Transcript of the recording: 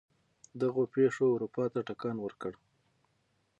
دغو پېښو اروپا ته ټکان ورکړ.